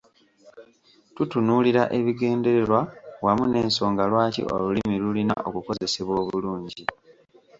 Tutunuulira ebigendererwa wamu n'ensonga lwaki olulimi lulina okukozesebwa obulungi.